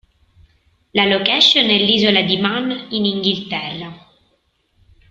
La location è l'isola di Man in Inghilterra.